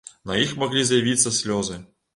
На іх маглі з'явіцца слёзы.